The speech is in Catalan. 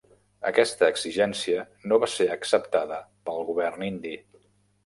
Aquesta exigència no va ser acceptada pel govern indi.